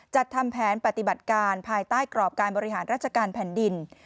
จัดทำแผนปฏิบัติการภายใต้กรอบการบริหารราชการแผ่นดิน